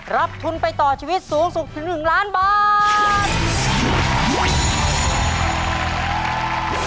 รับทุนไปต่อชีวิตสูงสุดถึง๑ล้านบาท